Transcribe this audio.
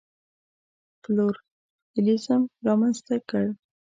پلورالېزم رامنځته کړ.